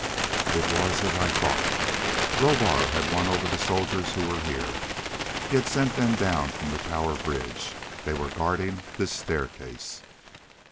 It was as I thought. Rohbar had won over the soldiers who were here. He had sent them down from the tower bridge. They were guarding this staircase.